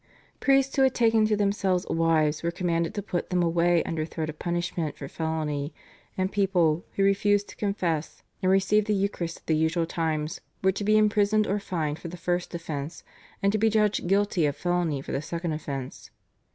Priests who had taken to themselves wives were commanded to put them away under threat of punishment for felony, and people, who refused to confess and receive the Eucharist at the usual times, were to be imprisoned or fined for the first offence, and to be judged guilty of felony for the second offence.